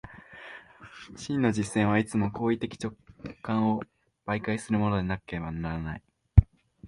真の実践はいつも行為的直観を媒介するものでなければならない。